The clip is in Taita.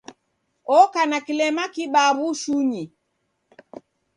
Oka na kilema kibaa w'ushunyi.